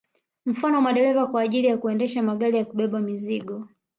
Mfano madereva kwa ajili ya kuendesha magari ya kubeba mizigo